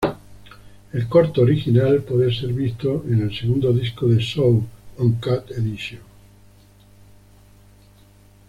El corto original puede ser visto en el segundo disco de "Saw: Uncut Edition".